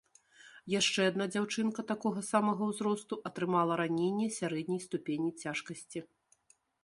Яшчэ адна дзяўчынка такога самага ўзросту атрымала раненне сярэдняй ступені цяжкасці.